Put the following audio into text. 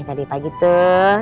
tadi pagi tuh